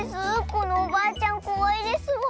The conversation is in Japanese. このおばあちゃんこわいですわ。